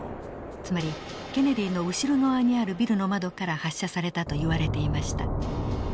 つまりケネディの後ろ側にあるビルの窓から発射されたといわれていました。